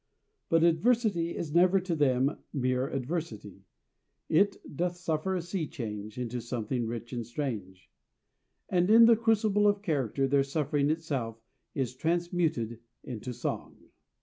But adversity is never to them mere adversity; it "Doth suffer a sea change Into something rich and strange"; and in the crucible of character their suffering itself is transmuted into song.